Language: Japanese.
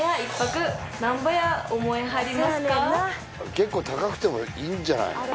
結構高くてもいいんじゃないの？